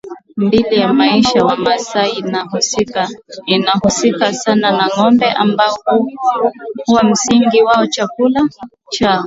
mbili Maisha ya Wamasai inahusika sana na ngombe ambao huwa msingi wa chakula chao